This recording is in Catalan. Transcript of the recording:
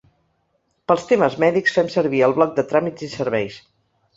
Pels temes mèdics fem servir el bloc de tràmits i serveis.